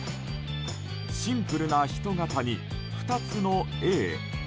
シンプルな人型に２つの「Ａ」。